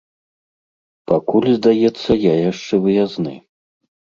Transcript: Пакуль, здаецца, я яшчэ выязны.